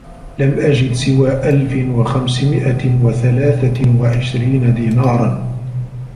لم أجد سوى ألف وخمسمئة وثلاثة وعشرين دينارا.